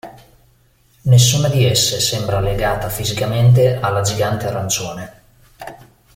Nessuna di esse sembra legata fisicamente alla gigante arancione.